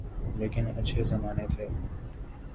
لیکن اچھے زمانے تھے۔